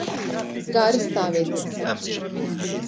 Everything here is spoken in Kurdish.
garis davêtin ser